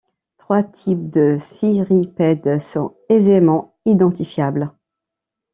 Trois types de Cirripèdes sont aisément identifiables,